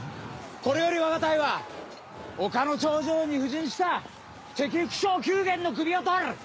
これよりわが隊は丘の頂上に布陣した敵副将・宮元の首を取る！